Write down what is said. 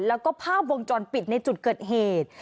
แล้วก็ภาพวงจรปิดในจุดเกิดเหตุ